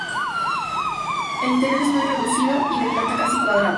El interior es muy reducido y de planta casi cuadrada.